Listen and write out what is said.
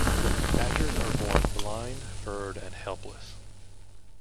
Badgers are born blind, furred, and helpless.